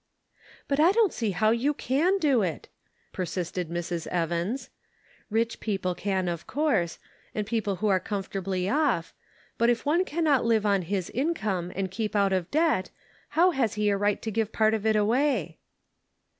" But I don't see how you. can do it," per sisted Mrs. Evans. " Rich people can, of course, and people who are comfortably off, but if one can not live on his income and keep out of debt how has he a right to give part of it away